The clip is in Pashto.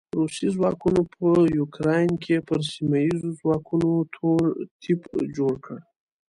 روسي ځواکونو په يوکراين کې پر سیمه ايزو ځواکونو تور تيپ جوړ کړ.